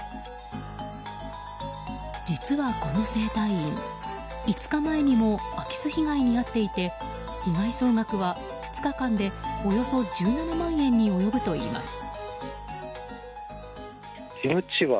実はこの整体院、５日前にも空き巣被害に遭っていて被害総額は、２日間でおよそ１７万円に及ぶといいます。